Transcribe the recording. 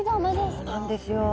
そうなんですよ。